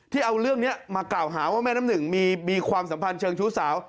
เอาเรื่องนี้มากล่าวหาว่าแม่น้ำหนึ่งมีความสัมพันธ์เชิงชู้สาว